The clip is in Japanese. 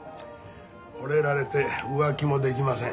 ほれられて浮気もできません。